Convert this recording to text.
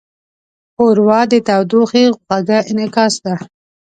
ښوروا د تودوخې خوږه انعکاس ده.